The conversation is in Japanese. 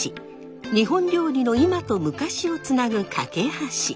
日本料理の今と昔をつなぐかけはし。